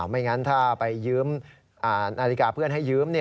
ไม่งั้นถ้าไปยืมนาฬิกาเพื่อนให้ยืม